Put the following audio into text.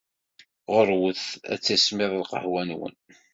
Ɣur-wet ad tismiḍ lqahwa-nwen!